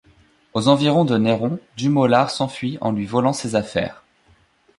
Aux environs de Neyron, Dumollard s'enfuit en lui volant ses affaires.